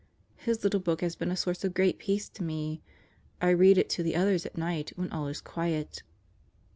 His little book has been a source of great peace to me. I read it to the others at night, when all is quiet."